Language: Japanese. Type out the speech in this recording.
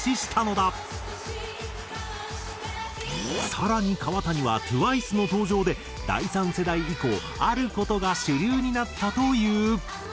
更に川谷はＴＷＩＣＥの登場で第３世代以降ある事が主流になったという。